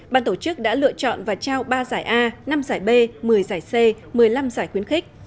ban tổ chức đã lựa chọn và trao ba giải a năm giải b một mươi giải c một mươi năm giải khuyến khích